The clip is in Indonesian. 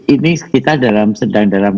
ini kita sedang dalam